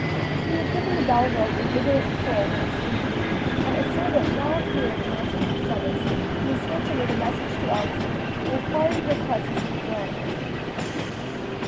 He had given the bell rope a vigorous pull while speaking, and a servant now appearing in answer to the summons, he sent him with a message to Elsie, requiring her presence in the drawing room.